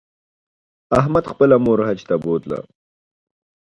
احمد خپله مور حج ته بوتله